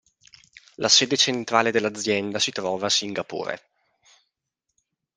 La sede centrale dell'azienda si trova a Singapore.